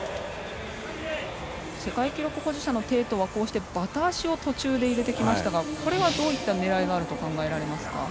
世界記録保持者の鄭濤はバタ足を途中で入れてきましたがこれはどういった狙いがあると考えられますか。